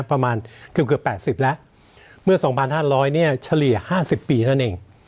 ประมาณเกือบ๘๐แล้วเมื่อ๒๕๐๐เนี่ยเฉลี่ย๕๐ปีนั่นเอง